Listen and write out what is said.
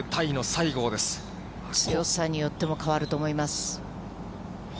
強さによっても変わると思います。